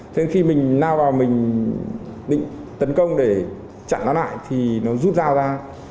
thế nên khi mình lao vào mình định tấn công để chặn nó lại thì nó rút dao ra